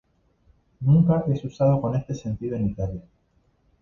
Nunca es usado con este sentido en Italia.